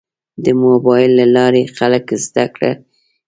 د موبایل له لارې خلک زده کړه کوي.